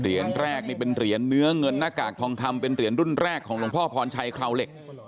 แรกนี่เป็นเหรียญเนื้อเงินหน้ากากทองคำเป็นเหรียญรุ่นแรกของหลวงพ่อพรชัยคราวเหล็ก